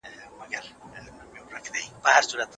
کافي د ورځني ژوند انرژي زیاتوي.